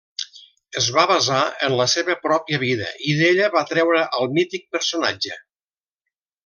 Es va basar en la seva pròpia vida i d'ella va treure al mític personatge.